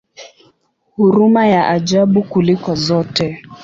Huruma ya ajabu kuliko zote!